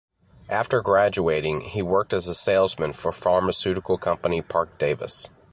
After graduating, he worked as a salesman for pharmaceutical company Parke-Davis.